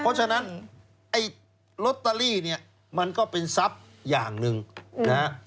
เพราะฉะนั้นไอ้ลอตเตอรี่เนี่ยมันก็เป็นทรัพย์อย่างหนึ่งนะฮะ